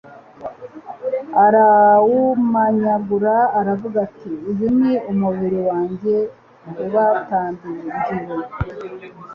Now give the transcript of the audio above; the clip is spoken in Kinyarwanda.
arawumanyagura aravuga ati : Uyu ni umubiri wanjye ubatangiwe,